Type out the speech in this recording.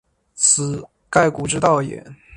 此盖古之道也。